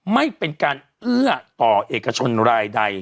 ไม่เป็นการเอื้อต่อเอกชนรายใด